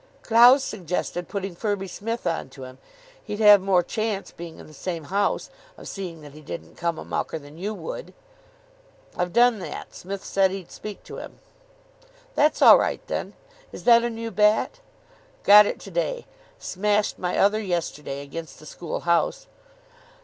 "Clowes suggested putting Firby Smith on to him. He'd have more chance, being in the same house, of seeing that he didn't come a mucker than you would." "I've done that. Smith said he'd speak to him." "That's all right then. Is that a new bat?" "Got it to day. Smashed my other yesterday against the school house."